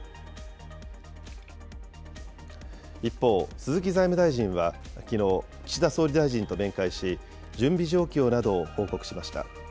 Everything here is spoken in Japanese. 一方、鈴木財務大臣はきのう、岸田総理大臣と面会し、準備状況などを報告しました。